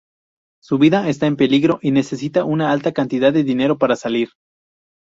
Su vida está en peligro, y necesita una alta cantidad de dinero para salir.